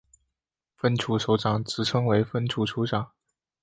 分处首长职称为分处处长。